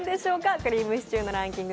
クリームシチューのランキング